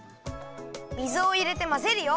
水をいれてまぜるよ。